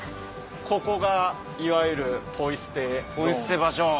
ここがいわゆるポイ捨てゾーン。